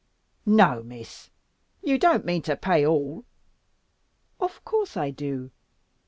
"No, Miss! You don't mean to pay all!" "Of course, I do."